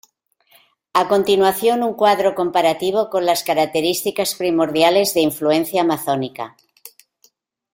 A continuación un cuadro comparativo con las características primordiales de influencia amazónica.